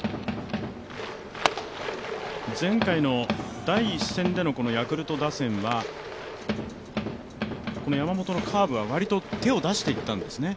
前回の第１戦でのヤクルト打線は、山本のカーブは割と手を出していったんですね。